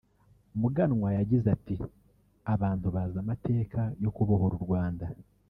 Muganwa yagize ati “Abantu bazi amateka yo kubohora u Rwanda